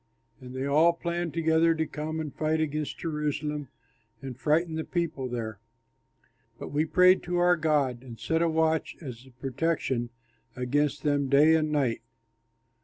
And they all planned together to come and fight against Jerusalem and frighten the people there. But we prayed to our God and set a watch as a protection against them day and night.